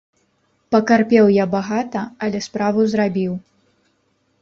Пакарпеў я багата, але справу зрабіў.